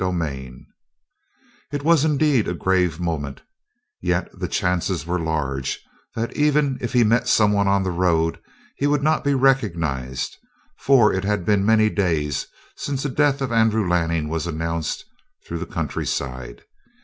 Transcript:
CHAPTER 28 It was, indeed, a grave moment, yet the chances were large that even if he met someone on the road he would not be recognized, for it had been many days since the death of Andrew Lanning was announced through the countryside.